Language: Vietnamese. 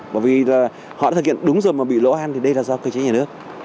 bởi vì là họ đã thực hiện đúng rồi mà bị lỗ hăn thì đây là do cơ chế nhà nước